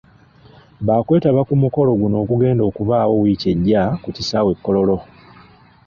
Baakwetaba ku mukolo guno ogugenda okubaawo wiiki ejja ku kisaawe e Kololo.